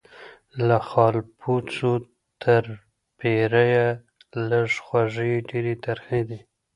له خالپوڅو تر پیریه لږ خوږې ډیري ترخې دي